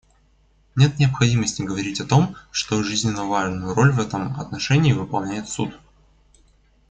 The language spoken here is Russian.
Нет необходимости говорить о том, что жизненно важную роль в этом отношении выполняет Суд.